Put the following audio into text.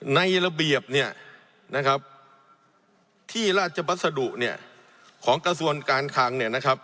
ในระเบียบที่ราชบัสดุของกระทรวณการคัง